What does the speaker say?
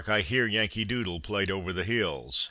I hear Yankee Doodle played over the hills!